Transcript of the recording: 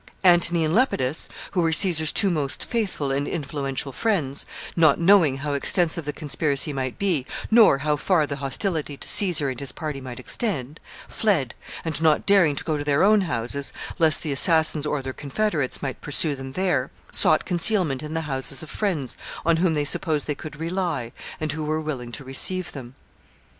Antony and Lepidus, who were Caesar's two most faithful and influential friends, not knowing how extensive the conspiracy might be, nor how far the hostility to Caesar and his party might extend, fled, and, not daring to go to their own houses, lest the assassins or their confederates might pursue them there, sought concealment in the houses of friends on whom they supposed they could rely and who were willing to receive them.